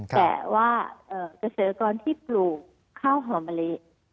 แต่ว่าเกราะสถานกรณ์ที่ปลูกข้าวหอมะลิ